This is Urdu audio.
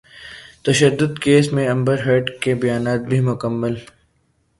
تشدد کیس میں امبر ہرڈ کے بیانات بھی مکمل